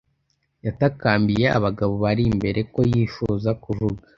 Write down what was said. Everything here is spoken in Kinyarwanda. Yatakambiye abagabo bari imbere ko yifuza kuvuga.